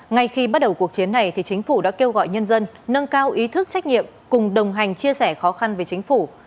ngay khi bắt đầu cuộc chiến này chính phủ đã kêu gọi nhân dân nâng cao ý thức trách nhiệm cùng đồng hành chia sẻ khó khăn với chính phủ